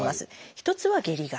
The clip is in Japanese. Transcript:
一つは「下痢型」。